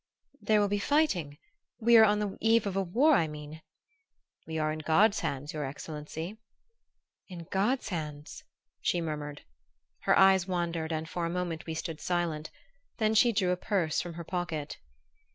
"There will be fighting we are on the eve of war, I mean?" "We are in God's hands, your excellency." "In God's hands!" she murmured. Her eyes wandered and for a moment we stood silent; then she drew a purse from her pocket.